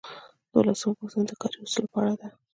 دولسمه پوښتنه د کاري اصولو په اړه ده.